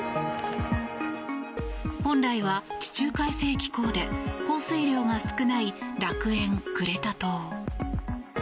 本来は地中海性気候で降水量が少ない楽園、クレタ島。